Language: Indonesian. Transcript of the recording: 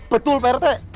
betul pak rt